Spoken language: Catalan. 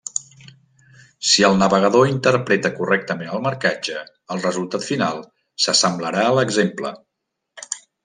Si el navegador interpreta correctament el marcatge, el resultat final s'assemblarà a l'exemple.